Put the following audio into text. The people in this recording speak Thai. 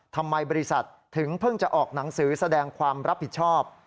ทำไมบริษัทถึงเพิ่งจะออกหนังสือแสดงความรับผิดชอบ